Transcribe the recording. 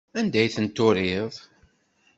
Anda ay ten-turiḍ?